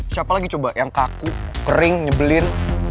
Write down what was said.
siapa lagi coba yang kaku kering nyebelin